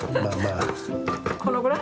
このぐらい？